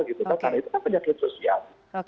karena itu kan penyakit sosial